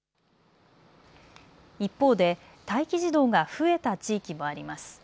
一方で待機児童が増えた地域もあります。